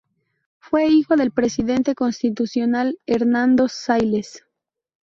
Fue hijo del presidente constitucional Hernando Siles.